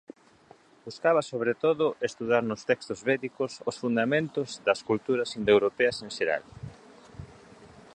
Buscaba sobre todo estudar nos textos védicos os fundamentos das culturas indoeuropeas en xeral.